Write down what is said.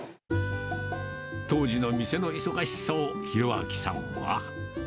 当時の店の忙しさを、宏明さんは。